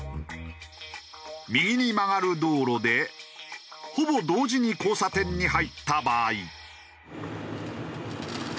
右に曲がる道路でほぼ同時に交差点に入った場合。